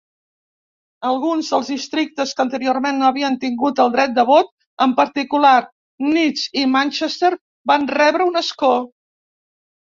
Alguns dels districtes que anteriorment no havien tingut el dret de vot, en particular Leeds i Manchester, van rebre un escó.